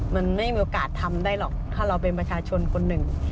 มันไม่มีโอกาสทำได้หรอกถ้าเราเป็นประชาชนคนหนึ่ง